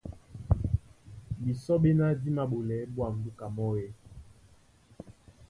Bisɔ́ ɓéná dí māɓolɛɛ́ ɓwǎm̀ búka mɔ́ e?